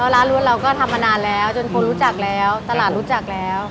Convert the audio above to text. ร้านล้วนเราก็ทำมานานแล้วจนคนรู้จักแล้วตลาดรู้จักแล้ว